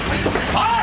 おい！